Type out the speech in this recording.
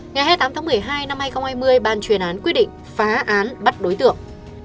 ngày hai mươi tám tháng một mươi hai năm hai nghìn hai mươi ban truyền án quyết định phá án bắt đối tượng